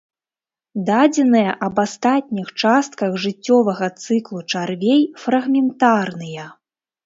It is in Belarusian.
Дадзеныя аб астатніх частках жыццёвага цыклу чарвей фрагментарныя.